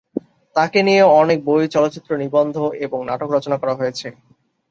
তাকে নিয়ে অনেক বই, চলচ্চিত্র, নিবন্ধ এবং নাটক রচনা করা হয়েছে।